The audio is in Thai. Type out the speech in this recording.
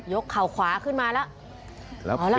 เข่าขวาขึ้นมาแล้ว